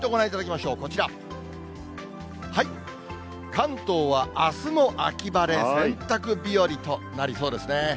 関東はあすも秋晴れ、洗濯日和となりそうですね。